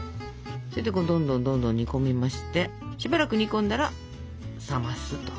それでこれどんどんどんどん煮込みましてしばらく煮込んだら冷ますと。